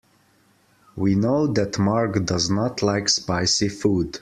We know that Mark does not like spicy food.